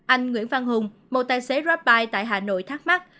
anh nguyễn văn hùng một tài xế grabbuy tại hà nội thắc mắc